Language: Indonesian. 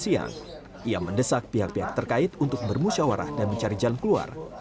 siang ia mendesak pihak pihak terkait untuk bermusyawarah dan mencari jalan keluar